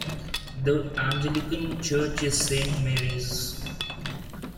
The Anglican church is Saint Mary's.